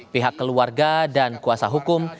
pihak keluarga dan kuasa hukum